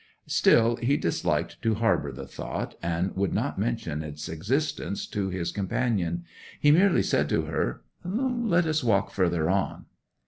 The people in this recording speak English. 'Still he disliked to harbour the thought, and would not mention its existence to his companion. He merely said to her, "Let us walk further on."